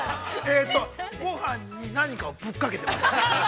◆ごはんに何かをぶっかけてます。